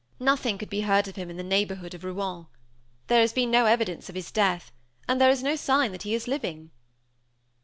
Nothing could be heard of him in the neighborhood of Rouen. There has been no evidence of his death; and there is no sign that he is living."